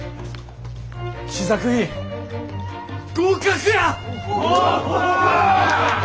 試作品合格や！